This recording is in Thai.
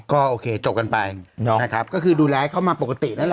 ก็โอเคจบกันไปนะครับก็คือดูแลให้เข้ามาปกตินั่นแหละ